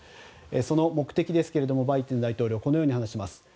その目的ですがバイデン大統領はこのように話しています。